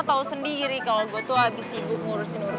tapi di hidup hidup punya bp yang balik balik dell ancient